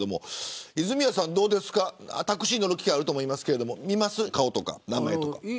泉谷さんはどうですかタクシー乗る機会あると思いますが顔とか名前とか見ますか。